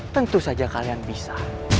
tentu saja kalian bisa